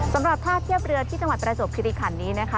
สำหรับท่าเทียบเรือที่จังหวัดประจวบคิริขันนี้นะคะ